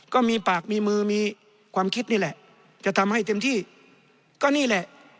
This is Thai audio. ก็มีปากมีมือมีความคิดนี่แหละจะทำให้เต็มที่ก็นี่แหละ